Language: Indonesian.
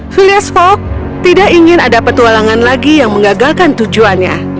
philias fok tidak ingin ada petualangan lagi yang mengagalkan tujuannya